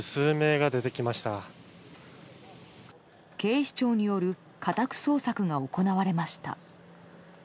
警視庁による家宅捜索が行われました。